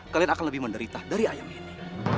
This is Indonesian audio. kalian akan lebih menderita dari ayam ini